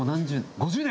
５０年。